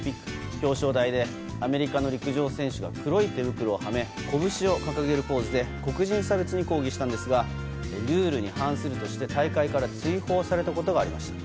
表彰台でアメリカの陸上選手が黒い手袋をはめ拳を掲げるポーズで黒人差別に抗議したんですがルールに反するとして大会から追放されたことがありました。